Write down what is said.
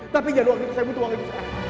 tapi jangan uang itu saya butuh uang ini